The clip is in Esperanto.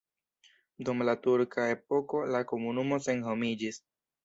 Dum la turka epoko la komunumo senhomiĝis.